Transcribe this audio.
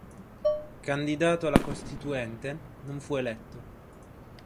Candidato alla Costituente, non fu eletto.